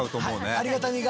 ありがたみが。